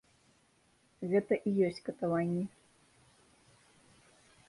Гэта і ёсць катаванні.